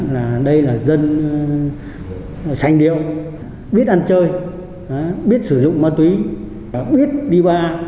là đây là dân sành điêu biết ăn chơi biết sử dụng ma túy biết đi bar